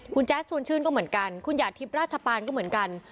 คุณแจ๊สชวนชื่นก็เหมือนกันคุณหยาดทิพย์ราชปานก็เหมือนกัน